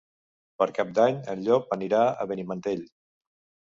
Per Cap d'Any en Llop anirà a Benimantell.